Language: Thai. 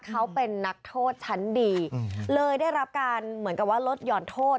เขาเป็นนักโทษชั้นดีเลยได้รับการเหมือนกับว่าลดหย่อนโทษ